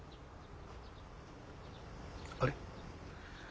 あれ？